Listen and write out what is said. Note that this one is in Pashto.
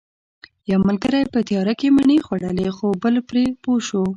یو ملګری په تیاره کې مڼې خوړلې خو بل پرې پوه شو